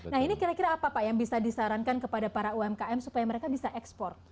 nah ini kira kira apa pak yang bisa disarankan kepada para umkm supaya mereka bisa ekspor